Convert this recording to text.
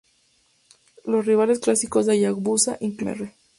Los rivales clásicos de Hayabusa incluían a Mr.